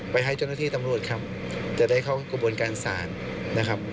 ให้เจ้าหน้าที่ตำรวจครับจะได้เข้ากระบวนการศาลนะครับ